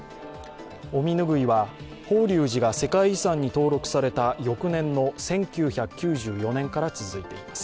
お身拭いは、法隆寺が世界遺産に登録された翌年の１９９４年から続いています。